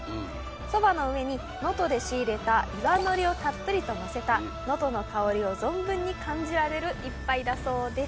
蕎麦の上に能登で仕入れた岩海苔をたっぷりとのせた能登の香りを存分に感じられる１杯だそうです。